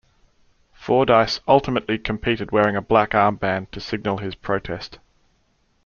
Fordyce ultimately competed wearing a black armband to signal his protest.